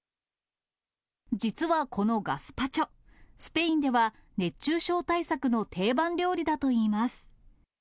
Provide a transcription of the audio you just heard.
実はこのガスパチョ、スペインでは熱中症対策の定番料理だといいます。